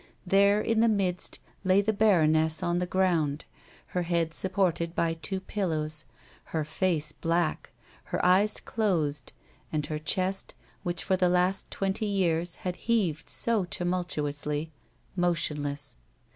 There, in the midst, lay the baroness on the ground, her head supported by two pillows, her face black, her eyes closed, and her chest, which for the last twenty years had heaved so tumultuously, motionless.